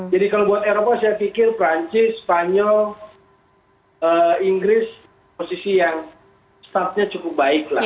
jadi kalau buat eropa saya pikir perancis spanyol inggris posisi yang startnya cukup baik lah